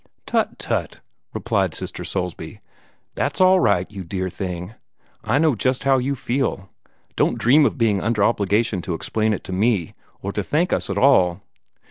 "Tut! tut!" replied Sister Soulsby, "that's all right, you dear thing. I know just how you feel. Don't dream of being under obligation to explain it to me, or to thank us at all.